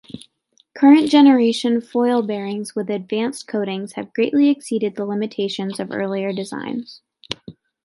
Current-generation foil bearings with advanced coatings have greatly exceeded the limitations of earlier designs.